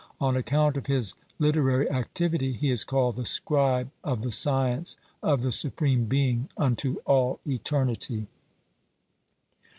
On account of his literary activity, he is called "the Scribe of the science of the Supreme Being unto all eternity."